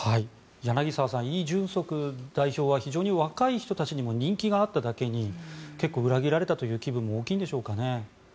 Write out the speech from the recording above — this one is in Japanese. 柳澤さんイ・ジュンソク代表は非常に若い人たちにも人気があっただけに結構裏切られたという気分も大きいんでしょうかね。